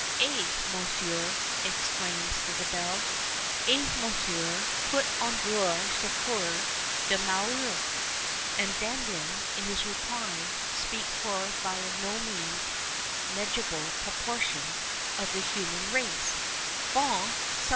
" Eh ! Monsieur," exchiims Isabelle, " eh, Monsieur, peut on voir souffrir des malheurcux ?" and Dandin, in his reply, speaks for a by no means negligible proportion of the human race :" Bon